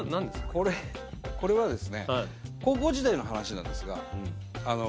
これはですね高校時代の話なんですが。